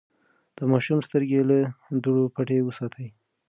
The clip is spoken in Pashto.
د ماشوم سترګې له دوړو پټې وساتئ.